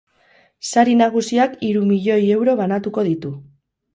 Sari nagusiak hiru milioi euro banatuko ditu.